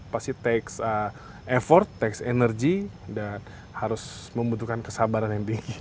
pasti effort tax energy dan harus membutuhkan kesabaran yang tinggi